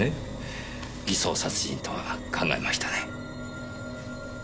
偽装殺人とは考えましたね。